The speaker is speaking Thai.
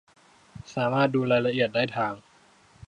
สามารถดูรายละเอียดได้ทาง